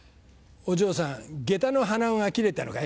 「お嬢さん下駄の鼻緒が切れたのかい？